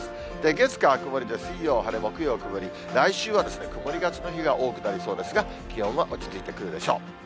月、火、曇りで、水曜晴れ、木曜曇り、来週は曇りがちの日が多くなりそうですが、気温は落ち着いてくるでしょう。